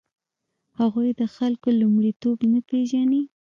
هغوی د خلکو لومړیتوب نه پېژني.